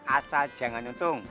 asal jangan untung